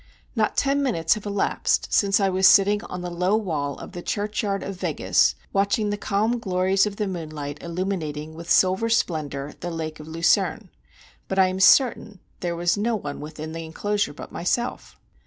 Not ten minutes have elapsed since I was sitting on the low wall of the churchyard of Weggis, watching the calm glories of the moonlight illuminating with silver splendor the lake of Lucerne; and I am certain there was no one within the inclosure but myself.